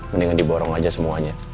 mendingan diborong aja semuanya